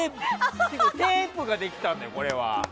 テープができたんだよ、これは。